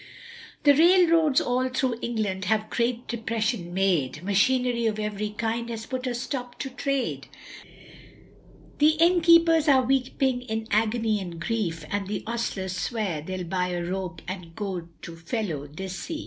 The railroads all through England have great depression made; Machinery of every kind has put a stop to trade; The innkeepers are weeping in agony and grief, And the ostlers swear they'll buy a rope and go to felo de se.